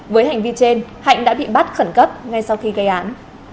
với hành vi trên hạnh đã bị bắt khẩn cấp ngay sau khi gây án